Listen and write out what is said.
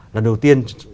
lần đầu tiên